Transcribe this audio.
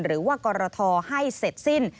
หรือว่ากรทให้เสร็จสิ้น